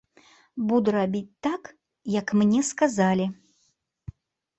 Буду рабіць так, як мне сказалі.